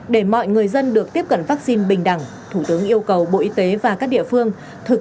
để mọi người dân được tiếp cận vaccine bình đẳng thủ tướng yêu cầu bộ y tế và các địa phương thực